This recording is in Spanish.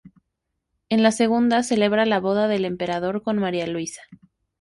En la segunda celebra la boda del Emperador con María Luisa.